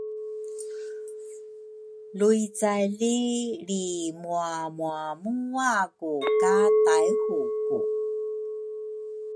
luicaily lrimuamuamuaku ka Taihuku.